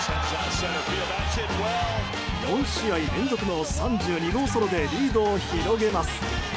４試合連続の３２号ソロでリードを広げます。